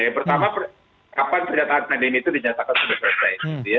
yang pertama kapan pernyataan pandemi itu dinyatakan sudah selesai